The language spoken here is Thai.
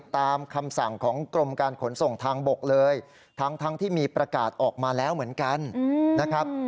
ตามคำสั่งของกรมการขนส่งทางบกเลยทั้งที่มีประกาศออกมาแล้วเหมือนกันนะครับ